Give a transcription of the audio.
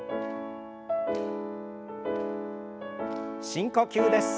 深呼吸です。